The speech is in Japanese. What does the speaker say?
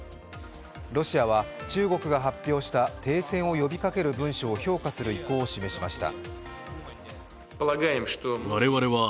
ロシアは中国が発表した停戦を呼びかける文書を評価する意向を示しました。